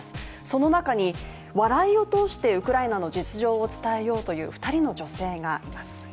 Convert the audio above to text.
その中に、笑いを通してウクライナの実情を伝えようという２人の女性がいます。